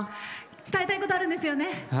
伝えたいことあるんですよね。